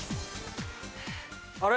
あれ？